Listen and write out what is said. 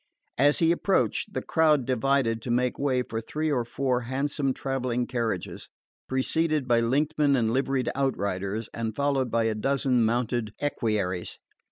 As he approached, the crowd divided to make way for three or four handsome travelling carriages, preceded by linkmen and liveried out riders and followed by a dozen mounted equerries.